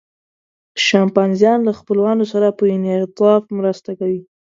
شامپانزیان له خپلوانو سره په انعطاف مرسته کوي.